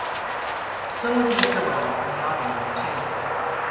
So was Mr. Welles, and the audience, too.